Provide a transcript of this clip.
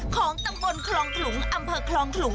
ของตำบลคลองขลุงอำเภอคลองขลุง